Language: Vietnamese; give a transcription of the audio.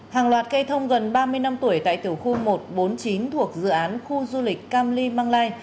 hàng loạt cây thông gần ba mươi năm tuổi tại tiểu khu một trăm bốn mươi chín thuộc dự án khu du lịch cam ly măng lai